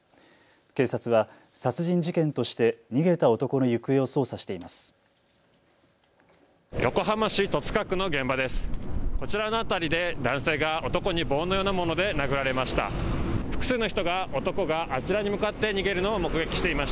警察は殺人事件として逃げた男の行方を捜査しています。